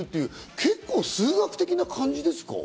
結構、数学的な感じですか？